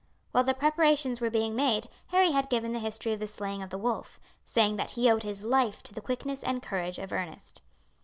While the preparations were being made Harry had given the history of the slaying of the wolf, saying that he owed his life to the quickness and courage of Ernest.